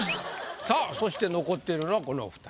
さあそして残っているのはこのお２人。